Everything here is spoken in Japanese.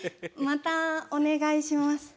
またお願いします。